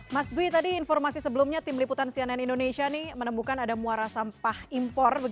mas dwi tadi informasi sebelumnya tim liputan cnn indonesia menemukan ada muara sampah impor